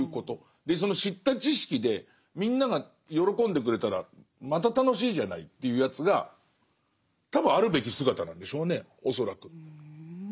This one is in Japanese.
でその知った知識でみんなが喜んでくれたらまた楽しいじゃないっていうやつが多分あるべき姿なんでしょうね恐らく。